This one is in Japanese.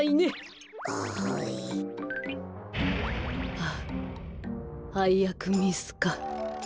はあはいやくミスか。